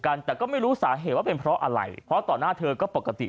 กันแต่ก็ไม่รู้สาเหตุว่าเป็นเพราะอะไรเพราะต่อหน้าเธอก็ปกติ